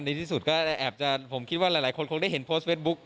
ที่สุดก็แอบจะผมคิดว่าหลายคนคงได้เห็นโพสต์เฟสบุ๊ก